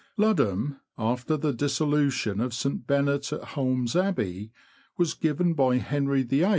Ludham, after the dissolution of St. Benet at Holme's Abbey, w^as given by Henry VIII.